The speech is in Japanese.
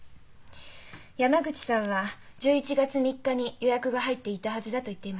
山口さんは「１１月３日に予約が入っていたはずだ」と言っていますが。